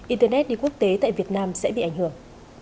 internet đi quốc tế tại việt nam sẽ bị ảnh hưởng